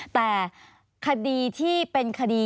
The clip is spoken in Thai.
แต่คดีที่เป็นคดี